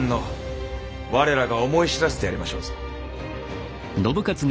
我らが思い知らせてやりましょうぞ。